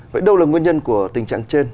vậy đâu là nguyên nhân của tình trạng trên